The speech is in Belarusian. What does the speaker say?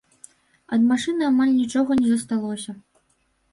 Ад машыны амаль нічога не засталося.